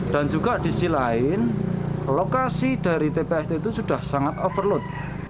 dan juga di sisi lain lokasi dari tpst itu sudah sangat overload